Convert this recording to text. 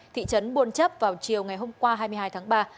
thị trấn buôn chấp vào chiều ngày hôm qua hai mươi hai tháng ba